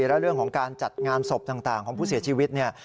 แล้วเรื่องของการจัดงานศพต่างของผู้เสียชีวิตเนี่ย